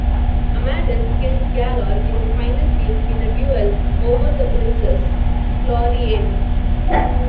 Amadis kills Galaor in the final scene in a duel over the princess Floriane.